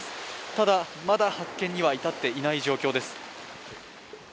ただ、まだ発見には至っていない状況です。